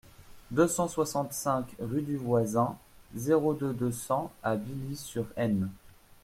deux cent soixante-cinq rue du Voisin, zéro deux, deux cents à Billy-sur-Aisne